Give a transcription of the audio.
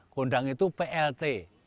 kondang itu plt